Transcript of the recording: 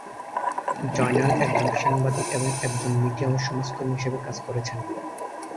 জয়নাল একজন সাংবাদিক এবং একজন মিডিয়া ও সমাজকর্মী হিসেবে কাজ করেছেন।